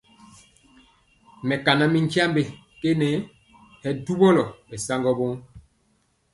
Mɛkana mi nkyambe ke nɛ, hɛ duwɔ ɓɛ saŋgɔ woo.